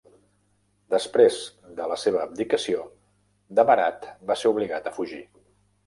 Després de la seva abdicació, Demarat va ser obligat a fugir.